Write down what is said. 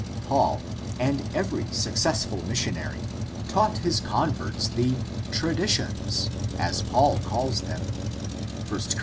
Paul and every successful missionary taught his converts the "traditions," as Paul calls them, I Cor.